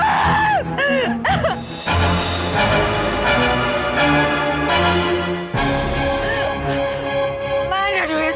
aku udah biar jadi product